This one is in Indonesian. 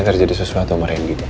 nanti terjadi sesuatu sama randy dong